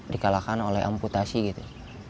dikalahkan oleh amputasi gitu